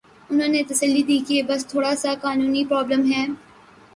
انہوں نے تسلی دی کہ بس تھوڑا سا قانونی پرابلم ہے۔